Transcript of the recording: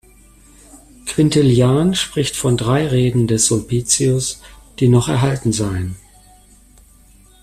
Quintilian spricht von drei Reden des Sulpicius, die noch erhalten seien.